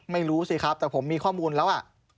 ไม่รู้สิครับแต่ผมมีข้อมูลแล้ว